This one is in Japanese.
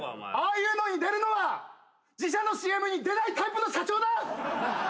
ああいうのに出るのは自社のＣＭに出ないタイプの社長だ！